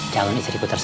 jalani seribu tersebut